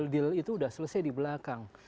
deal itu sudah selesai di belakang